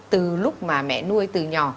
từ lúc mà mẹ nuôi từ nhỏ